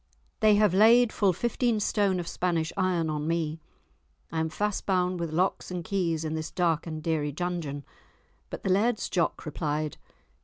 They have laid full fifteen stone of Spanish iron on me, I am fast bound with locks and keys in this dark and dreary dungeon." But the Laird's Jock replied.